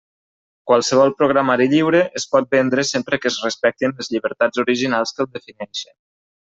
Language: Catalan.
Qualsevol programari lliure es pot vendre sempre que es respectin les llibertats originals que el defineixen.